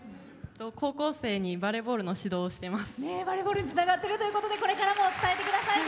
高校生にバレーボールの指導をしています。